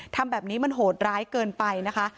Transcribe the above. ทำแบบนี้มันโหดร้ายเกินไปนะคะ